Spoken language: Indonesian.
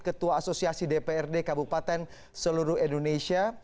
ketua asosiasi dprd kabupaten seluruh indonesia